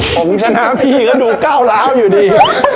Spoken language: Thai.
ผมชนะพี่ก็ดูก้าวร้าวอยู่ดี